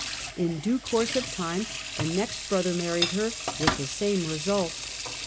In due course of time the next brother married her with the same result.